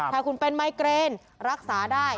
ถ้าคุณเป็นไมเกรนรักษาได้